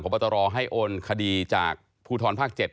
ผมต้องรอให้โอนคดีจากภูทรภาค๗